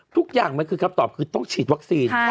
ทุกอย่างมันคือคำตอบคือต้องฉีดวัคซีน